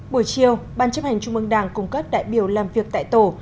buổi chiều ban chấp hành chung bương đảng cùng các đại biểu làm việc tại tổ